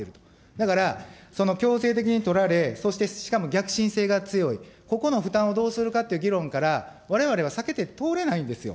だから、強制的に取られ、そしてしかも逆進性が強い、ここの負担をどうするかっていう議論から、われわれは避けて通れないんですよ。